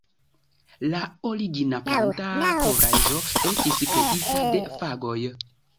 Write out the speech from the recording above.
La origina planta kovraĵo estis kreita de fagoj.